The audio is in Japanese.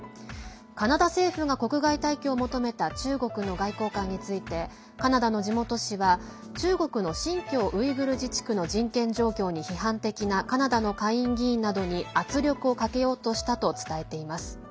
カナダ政府が国外退去を求めた中国の外交官についてカナダの地元紙は中国の新疆ウイグル自治区の人権状況に批判的なカナダの下院議員などに圧力をかけようとしたと伝えています。